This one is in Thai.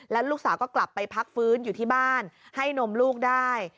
แล้วลูกสาวก็กลับไปพักฟื้นอยู่ที่บ้านให้นมลูกได้